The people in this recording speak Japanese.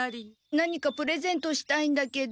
何かプレゼントしたいんだけど。